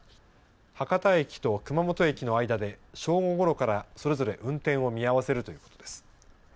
博多駅と熊本駅の間で正午ごろからそれぞれ運転を見合わせるということです。